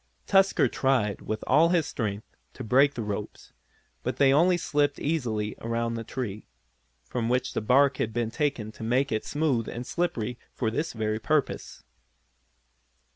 Tusker tried, with all his strength to break the ropes, but they only slipped easily around the tree, from which the bark had been taken to make it smooth and slippery for this very purpose.